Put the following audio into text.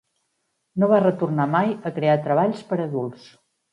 No va retornar mai a crear treballs per a adults.